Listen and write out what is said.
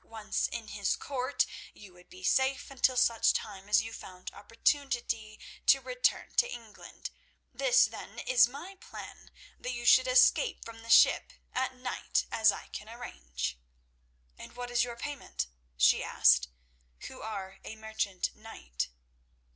Once in his court, you would be safe until such time as you found opportunity to return to England. This, then, is my plan—that you should escape from the ship at night as I can arrange." "And what is your payment," she asked, "who are a merchant knight?"